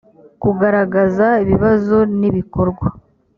kugaragaza ibibazo n ibikorwa